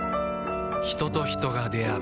人と人が出会う